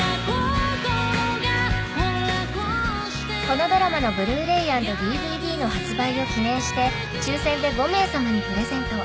このドラマのＢｌｕ−ｒａｙアンドＤＶＤの発売を記念して抽選で５名様にプレゼント。